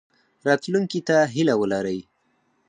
راتلونکي ته هیله ولرئ